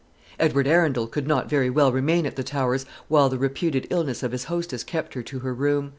Edward Arundel could not very well remain at the Towers while the reputed illness of his hostess kept her to her room.